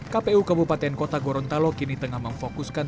kpu kabupaten kota gorontalo kini tengah memfokuskan